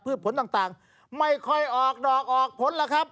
ผลต่างไม่ค่อยออกดอกออกผลแล้วครับ